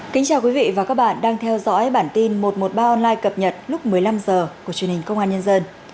kính chào quý vị và các bạn đang theo dõi bản tin một trăm một mươi ba online cập nhật lúc một mươi năm h của truyền hình công an nhân dân